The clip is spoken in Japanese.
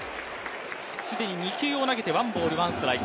既に２球を投げてワンボールワンストライク。